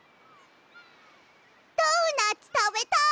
ドーナツたべたい！